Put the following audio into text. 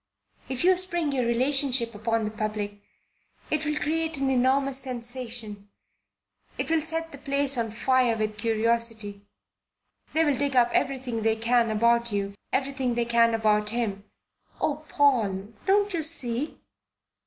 If you spring your relationship upon the public, it will create an enormous sensation it will set the place on fire with curiosity. They'll dig up everything they can about you everything they can about him. Oh, Paul, don't you see.